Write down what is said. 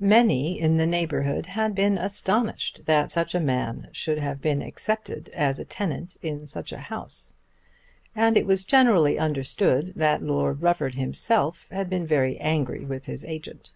Many in the neighbourhood had been astonished that such a man should have been accepted as a tenant in such a house; and it was generally understood that Lord Rufford himself had been very angry with his agent.